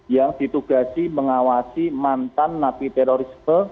yang ditugasi mengawasi mantan napi terorisme